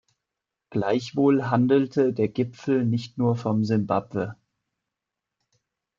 Gleichwohl handelte der Gipfel nicht nur von Simbabwe.